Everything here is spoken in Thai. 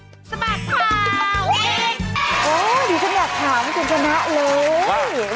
ดีจริงอยากถามคุณคณะเลย